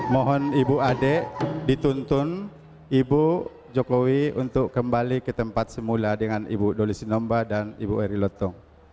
mohon ibu adek dituntun ibu jokowi untuk kembali ke tempat semula dengan ibu doli sinomba dan ibu eriloto